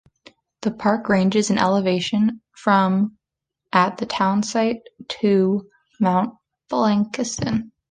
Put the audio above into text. The park ranges in elevation from at the townsite to at Mount Blakiston.